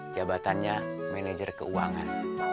jabatannya manager keuangan